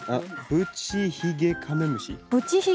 ブチヒゲカメムシ。